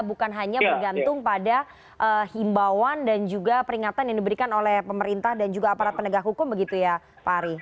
bukan hanya bergantung pada himbauan dan juga peringatan yang diberikan oleh pemerintah dan juga aparat penegak hukum begitu ya pak ari